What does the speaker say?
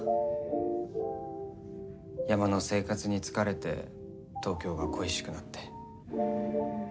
山の生活に疲れて東京が恋しくなって。